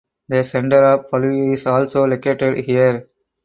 The center of Palu is also located here.